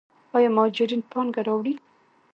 آیا مهاجرین پانګه راوړي؟